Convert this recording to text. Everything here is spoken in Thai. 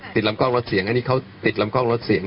ติดลำกล้องรถเสียงอันนี้เขาติดลำกล้องลดเสียง